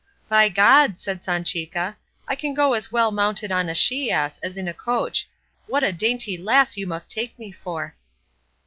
"By God," said Sanchica, "I can go just as well mounted on a she ass as in a coach; what a dainty lass you must take me for!"